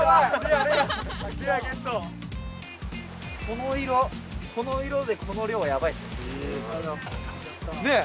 この色この色でこの量はやばいです。ねえ？